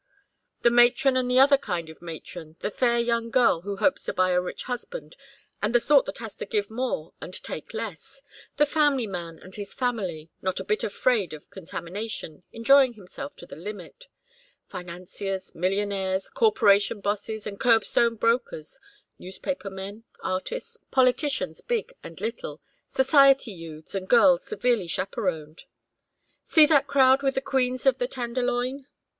The matron and the other kind of matron, the fair young girl who hopes to buy a rich husband, and the sort that has to give more and take less; the family man and his family, not a bit afraid of contamination, enjoying himself to the limit; financiers, millionaires, corporation bosses and curb stone brokers, newspaper men, artists, politicians big and little, society youths and girls severely chaperoned. See that crowd with the queens of the Tenderloin?